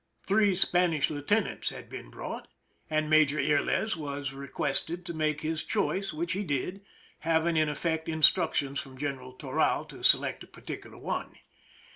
Three Spanish lieutenants had been brought, a,nd Major Yrles was requested to make his choice, which he did, having, in effect, instructions from General Toral to select a particular one.